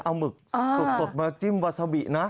เอาหมึกสดมาจิ้มวาซาบินะ